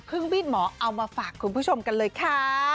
ครึ่งวิทย์หมอเอามาฝากคุณผู้ชมกันเลยค่ะ